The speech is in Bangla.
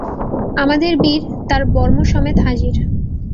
আমাদের বীর তার বর্মসমেত হাজির!